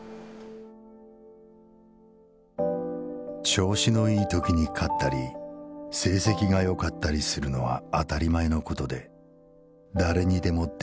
「調子のいい時に勝ったり成績が良かったりするのは当り前の事で誰にでも出来る事だ。